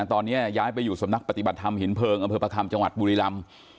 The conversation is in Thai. ตอนนี้ย้ายไปอยู่สำนักปฏิบัติธรรมหินเพลิงอำเภอประคัมจังหวัดบุรีรำ